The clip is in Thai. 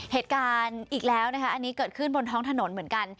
เหตุการณ์อีกแล้วนะคะอันนี้เกิดขึ้นบนท้องถนนเหมือนกัน